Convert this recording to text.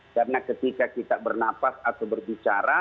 karena ketika kita bernafas atau berbicara